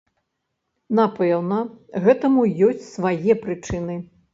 Напэўна, гэтаму ёсць свае прычыны.